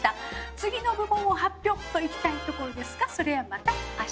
次の部門を発表といきたいところですがそれはまた明日。